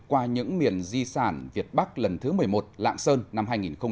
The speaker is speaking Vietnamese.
qua những miền di sản việt bắc lần thứ một mươi một lạng sơn năm hai nghìn hai mươi